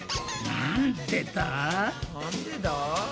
なんでだ？